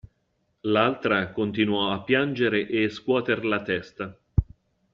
L'altra continuò a piangere e scuoter la testa.